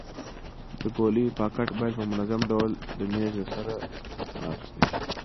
د ګولیو پاکټ باید په منظم ډول د میز له سره واخیستل شي.